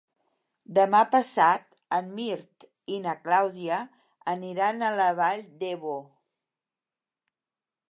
Demà passat en Mirt i na Clàudia aniran a la Vall d'Ebo.